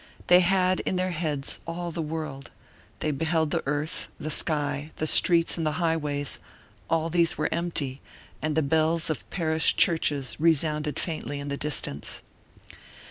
They had in their heads all the world; they beheld the earth, the sky, the streets and the highways; all these were empty, and the bells of parish churches resounded faintly in the distance.